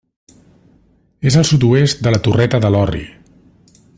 És al sud-oest de la Torreta de l'Orri.